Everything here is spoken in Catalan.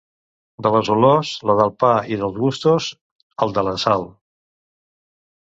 De les olors, la del pa, i dels gustos, el de la sal.